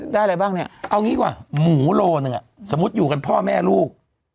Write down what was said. อะไรบ้างเนี่ยเอางี้กว่าหมูโลหนึ่งสมมุติอยู่กันพ่อแม่ลูก